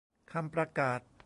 คำประกาศ